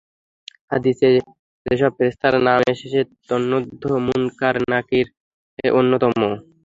হাদীসে যেসব ফেরেশতার নাম এসেছে তন্মধ্যে মুনকার নাকীর অন্যতম।